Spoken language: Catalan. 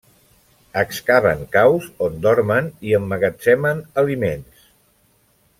Excaven caus on dormen i emmagatzemen aliments.